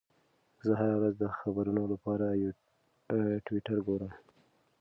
زه هره ورځ د خبرونو لپاره ټویټر ګورم.